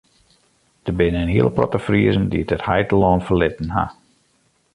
Der binne in hiele protte Friezen dy't it heitelân ferlitten ha.